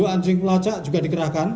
sepuluh anjing pelacak juga dikerahkan